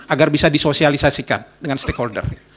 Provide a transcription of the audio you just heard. agar bisa disosialisasikan dengan stakeholder